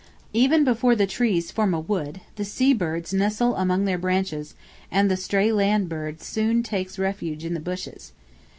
Even before the trees form a wood, the sea birds nestle among their branches, and the stray land bird soon takes refuge in the bushes.